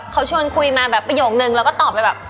เขาชวนคุยมาแบบประโยคนึงแล้วก็ตอบไปแบบ